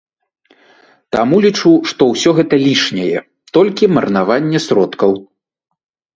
Таму лічу, што ўсё гэта лішняе, толькі марнаванне сродкаў.